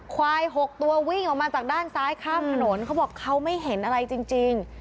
ควายหกตัววิ่งออกมาจากด้านซ้ายข้ามถนนเขาบอกเขาไม่เห็นอะไรจริง